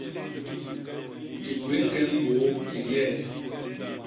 Di gwéé ñgeñ bôô yeyee.